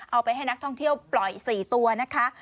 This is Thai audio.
เอาไปให้นักท่องเที่ยวปล่อย๔ตัวนะคะ